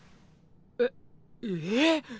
えっええっ？